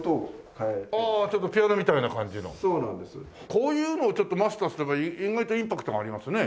こういうのをちょっとマスターすれば意外とインパクトがありますね。